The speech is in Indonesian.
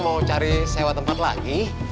mau cari sewa tempat lagi